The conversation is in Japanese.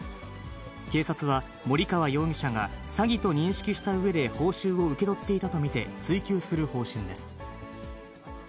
警察は森川容疑者が詐欺と認識したうえで報酬を受け取っていたと見て追及する方針です。